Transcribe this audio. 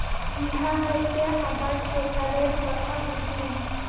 ইহা হইতে আবার সেকালের কথা উঠিল।